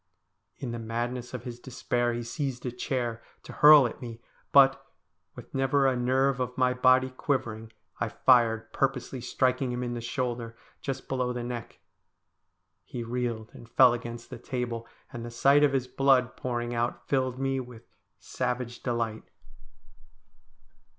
In the madness of his despair he seized a chair, to hurl at me, but, with never a nerve of my body quivering, I fired, purposely striking him in the shoulder, just below the neck. He reeled and fell against the table ; and the sight of his blood pouring out filled me with savage delight.